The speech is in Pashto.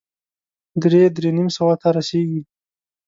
درې- درې نيم سوه ته رسېږي.